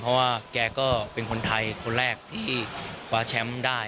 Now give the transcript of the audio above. เพราะว่าแกก็เป็นคนไทยคนแรกที่คว้าแชมป์ได้